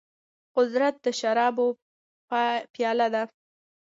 قدرت د شرابو پياله ده.